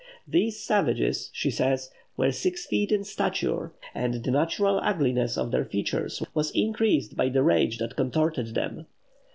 "These savages," she says, "were six feet in stature, and the natural ugliness of their features was increased by the rage that contorted them.